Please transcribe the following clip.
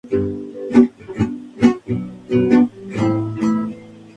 En la fase preliminar las siete selecciones participantes son reunidas en dos grupos.